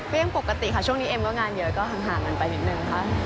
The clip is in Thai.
ยังปกติค่ะช่วงนี้เอ็มก็งานเยอะก็ห่างกันไปนิดนึงค่ะ